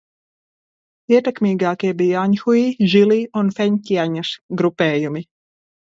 Ietekmīgākie bija Aņhui, Žili un Feņtjaņas grupējumi.